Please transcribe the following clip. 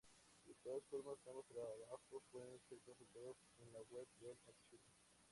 De todas formas, ambos trabajos, pueden ser consultados en la web del Archivo.